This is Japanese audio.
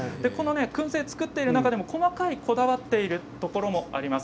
くん製を作っている中でもこだわっているところもあります。